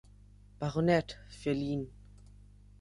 Baronet, verliehen.